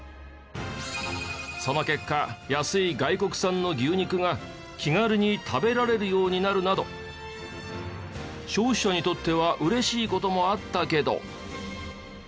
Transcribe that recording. その結果安い外国産の牛肉が気軽に食べられるようになるなど消費者にとっては嬉しい事もあったけど。